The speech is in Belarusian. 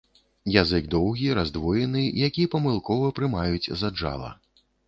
Язык доўгі, раздвоены, які памылкова прымаюць за джала.